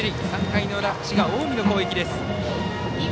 ３回の裏、滋賀・近江の攻撃。